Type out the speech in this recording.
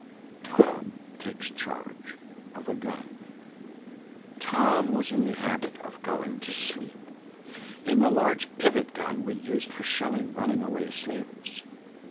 TOM TAKES CHARGE OF A GUN. Tom was in the habit of going to sleep, in the large pivot gun we used for shelling running away slavers.